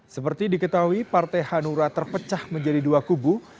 seperti diketahui partai hanura terpecah menjadi dua kubu